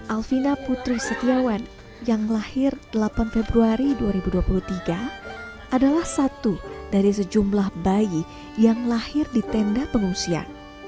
alvina putri setiawan yang lahir delapan februari dua ribu dua puluh tiga adalah satu dari sejumlah bayi yang lahir di tenda pengungsian